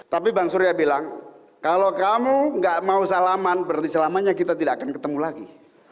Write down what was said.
tapi bang surya bilang kalau kamu nggak mau salaman berarti selamanya kita tidak akan ketemu lagi